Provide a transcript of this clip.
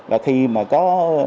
và khi mà có